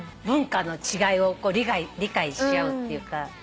文化の違いを理解し合うっていうか。